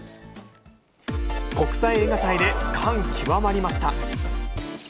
国際映画祭で感極まりました。